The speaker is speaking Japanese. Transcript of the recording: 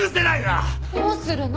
どうするの？